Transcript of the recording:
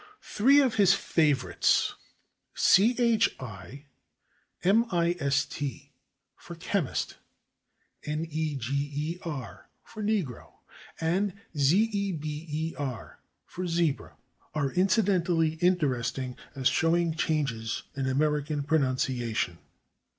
Three of his favorites, /chimist/ for /chemist/, /neger/ for /negro/ and /zeber/ for /zebra/, are incidentally interesting as showing changes in American pronunciation.